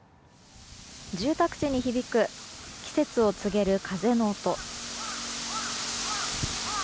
住宅地に響く季節を告げる風の音。